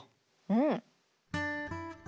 うん。